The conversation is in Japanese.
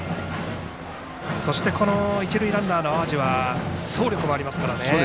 そして、一塁ランナーの淡路は走力もありますからね。